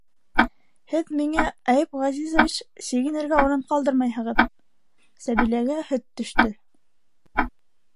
Һеҙ миңә, Әйүп Ғәзизович, сигенергә урын ҡалдырмайһығыҙ: Сәбиләгә... һөт төштө...